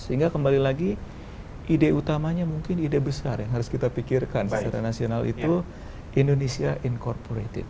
sehingga kembali lagi ide utamanya mungkin ide besar yang harus kita pikirkan secara nasional itu indonesia incorporated